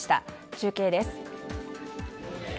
中継です。